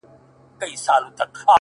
o ورته وگورې په مــــــيـــنـــه،